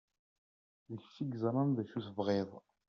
D kečč i yeẓran d acu i tebɣiḍ!